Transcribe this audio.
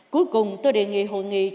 cuối cùng tôi đề nghị hội nghị chúng ta